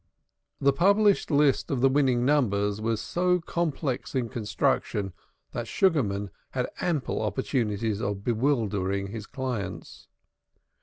The published list of the winning numbers was so complex in construction that Sugarman had ample opportunities of bewildering his clients.